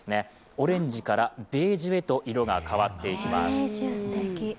オレンジからベージュへと色が変わっていきます。